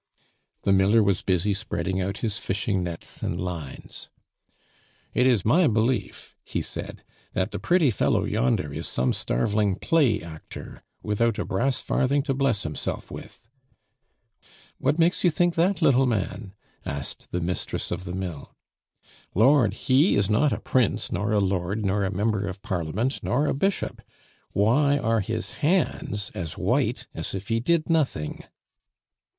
The miller was busy spreading out his fishing nets and lines. "It is my belief," he said, "that the pretty fellow yonder is some starveling play actor without a brass farthing to bless himself with." "What makes you think that, little man?" asked the mistress of the mill. "Lord, he is not a prince, nor a lord, nor a member of parliament, nor a bishop; why are his hands as white as if he did nothing?"